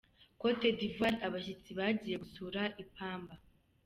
Cote d’Ivoir: Abashyitsi bagiye gusuura ipamba.